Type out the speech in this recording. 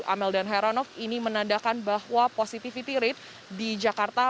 amel dan heranov ini menandakan bahwa positivity rate di jakarta